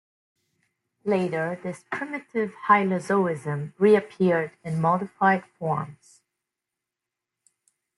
Later this primitive hylozoism reappeared in modified forms.